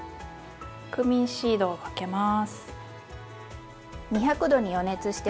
クミンシードをかけます。